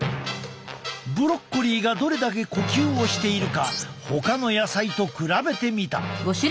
ブロッコリーがどれだけ呼吸をしているかほかの野菜と比べてみた。